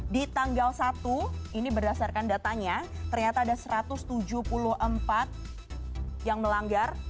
di tanggal satu ini berdasarkan datanya ternyata ada satu ratus tujuh puluh empat yang melanggar